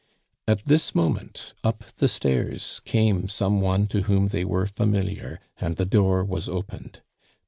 At this moment, up the stairs came some one to whom they were familiar, and the door was opened.